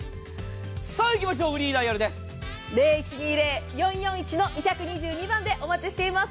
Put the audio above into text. さぁいきましょう０１２０‐４４１‐２２２番でお待ちしています。